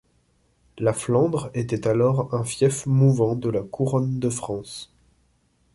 La Flandre était alors un fief mouvant de la Couronne de France.